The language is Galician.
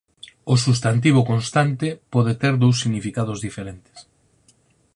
O substantivo constante pode ter dous significados diferentes.